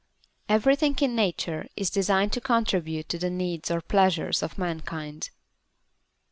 Everything in Nature is designed to contribute to the needs or pleasures of Mankind.